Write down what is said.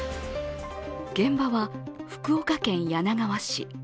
現場は福岡県柳川市。